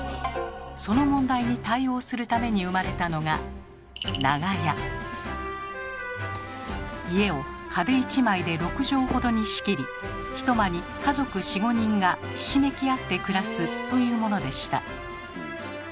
その問題に対応するために生まれたのが家を壁１枚で６畳ほどに仕切り一間に家族４５人がひしめき合って暮らすというものでした。